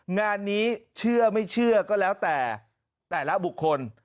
งานนี้เชื่อไม่เชื่อก็แล้วแต่แต่ละบุคคล